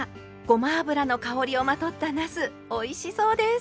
ごま油の香りをまとったなすおいしそうです！